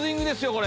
これ。